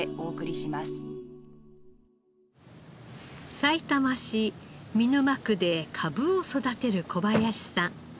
さいたま市見沼区でかぶを育てる小林さん。